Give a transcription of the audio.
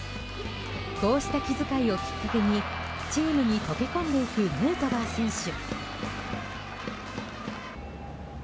こうした気遣いをきっかけにチームに溶け込んでいくヌートバー選手。